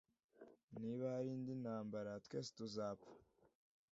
Niba hari indi ntambara, twese tuzapfa.